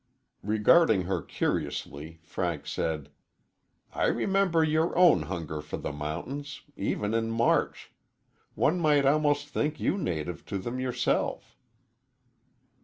Regarding her curiously, Frank said: "I remember your own hunger for the mountains, even in March. One might almost think you native to them, yourself."